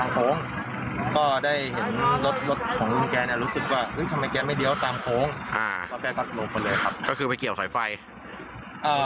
อ้าวก็แค่คลับลงเพลินเลยครับก็คือไปเกี่ยวสอยไฟอ่า